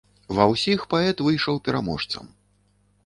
Ва ўсіх паэт выйшаў пераможцам.